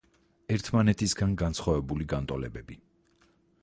ერთმანეთისაგან განსხვავებული განტოლებები.